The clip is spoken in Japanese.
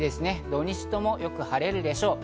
土日ともよく晴れるでしょう。